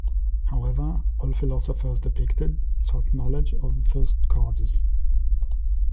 However, all the philosophers depicted sought knowledge of first causes.